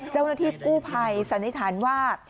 เจ้าหน้าที่กู้ภัยสันนิษฐานว่า